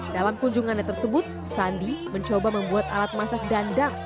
dalam kunjungannya tersebut sandi mencoba membuat alat masak dandang